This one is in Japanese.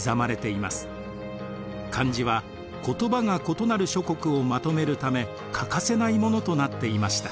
漢字は言葉が異なる諸国をまとめるため欠かせないものとなっていました。